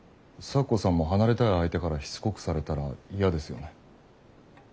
咲子さんも離れたい相手からしつこくされたら嫌ですよね？